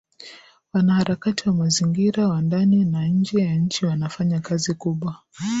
Wanaharakati wa Mazingira wa ndani na nje ya nchi wanafanya kazi kubwa